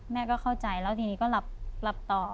แม่ก็เข้าใจแล้วทีนี้ก็หลับต่อ